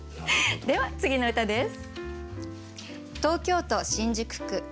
では次の歌です。